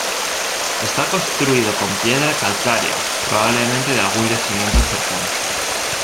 Está construido con piedra calcárea, probablemente de algún yacimiento cercano.